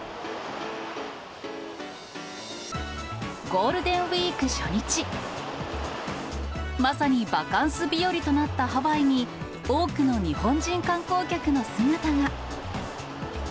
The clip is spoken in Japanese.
ゴールデンウィーク初日、まさにバカンス日和となったハワイに、多くの日本人観光客の姿が。